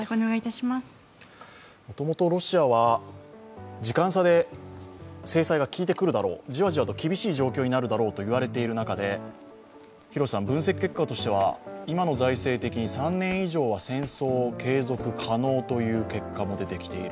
もともとロシアは時間差で制裁が効いてくるだろう、じわじわと厳しい状況になるだろうと言われる中で廣瀬さんの分析結果としては、今の財政的に３年以上は継続可能という結果も出てきている。